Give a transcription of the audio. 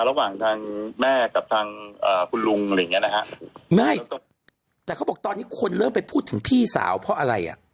ระหว่างทางแม่กับทางคุณลุงอะไรอย่างเงี้นะฮะไม่แต่เขาบอกตอนนี้คนเริ่มไปพูดถึงพี่สาวเพราะอะไรอ่ะ